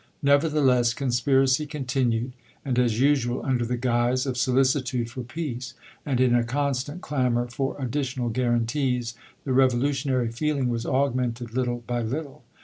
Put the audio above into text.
Nevertheless, conspiracy continued, and as usual, under the guise of solicitude for peace; and, in a constant clamor for additional guarantees, the revolutionary feeling was augmented little by little.